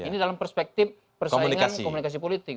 ini dalam perspektif persaingan komunikasi politik